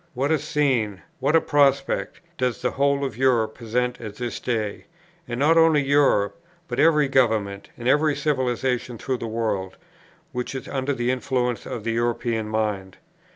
What a scene, what a prospect, does the whole of Europe present at this day! and not only Europe, but every government and every civilization through the world, which is under the influence of the European mind!